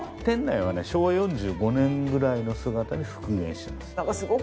店内はね昭和４５年ぐらいの姿に復元してます。